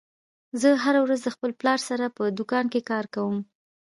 زه هره ورځ د خپل پلار سره په دوکان کې کار کوم